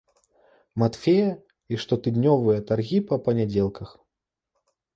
Матфея і штотыднёвыя таргі па панядзелках.